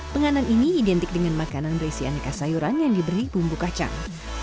penganan ini identik dengan makanan berisi aneka sayuran yang diberi bumbu kacang